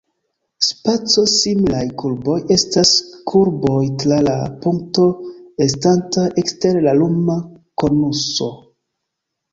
Spaco-similaj kurboj estas kurboj tra la punkto estantaj ekster la luma konuso.